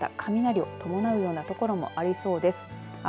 また、雷を伴うような所もありそうです。